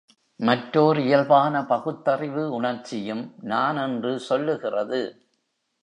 மற்றோர் இயல்பான பகுத்தறிவு உணர்ச்சியும் நான் என்று சொல்லுகிறது.